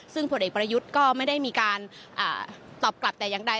ซึ่งผลเอกประยุทธ์ก็ไม่ได้มีการตอบกลับแต่อย่างใด